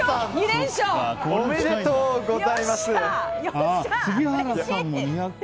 おめでとうございます。